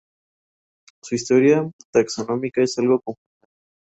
Su historia taxonómica es algo confusa.